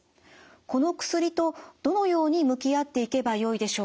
この薬とどのように向き合っていけばよいでしょうか？